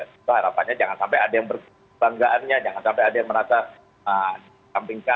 jadi harapannya jangan sampai ada yang berbanggaannya jangan sampai ada yang merasa dikampingkan